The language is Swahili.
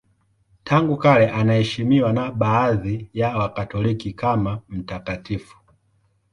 Tangu kale anaheshimiwa na baadhi ya Wakatoliki kama mtakatifu.